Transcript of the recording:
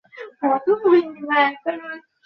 দেখতে খাসা লাগছে!